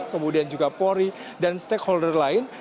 kemudian juga polri dan stakeholder lain